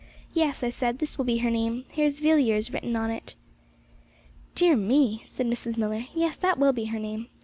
'Yes,' I said, 'this will be her name. Here's Villiers written on it. 'Dear me!' said Mrs. Millar. 'Yes, that will be her name.